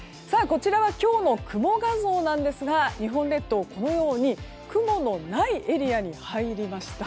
こちらは今日の雲画像なんですが日本列島、このように雲のないエリアに入りました。